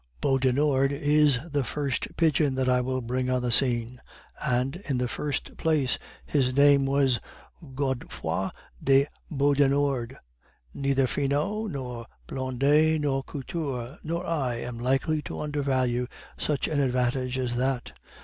"Beaudenord is the first pigeon that I will bring on the scene. And, in the first place, his name was Godefroid de Beaudenord; neither Finot, nor Blondet, nor Couture, nor I am likely to undervalue such an advantage as that!